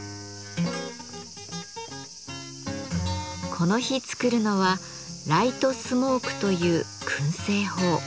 この日作るのは「ライトスモーク」という燻製法。